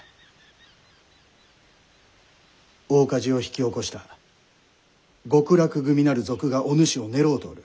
大火事を引き起こした極楽組なる賊がお主を狙うておる。